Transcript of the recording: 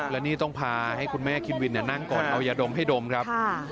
และนี่ต้องพาให้คุณแม่คินวินนั่งก่อนเอายาดมให้ดมครับ